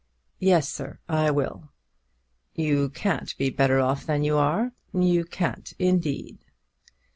"Yes, sir, I will." "You can't be better off than you are; you can't, indeed."